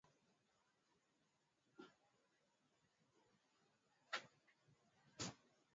Rwanda yajibu Kongo